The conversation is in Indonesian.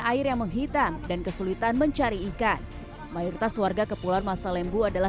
air yang menghitam dan kesulitan mencari ikan mayoritas warga kepulauan masa lembu adalah